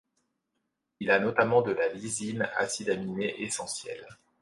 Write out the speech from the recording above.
Il a notamment de la lysine, acide aminé essentiel.